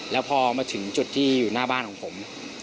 แล้วพอมาถึงจุดที่อยู่หน้าบ้านของผม